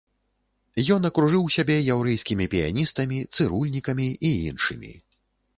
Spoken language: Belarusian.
Ён акружыў сябе яўрэйскімі піяністамі, цырульнікамі і іншымі.